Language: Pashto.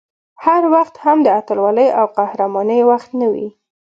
هر وخت هم د اتلولۍ او قهرمانۍ وخت نه وي